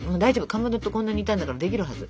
かまどとこんなにいたんだからできるはず。